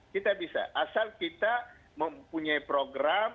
kita bisa asal kita mempunyai program